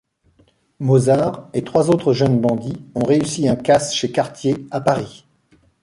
Mozart et trois autres jeunes bandits ont réussi un casse chez Cartier à Paris.